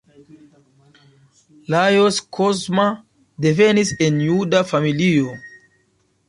Lajos Kozma devenis el juda familio.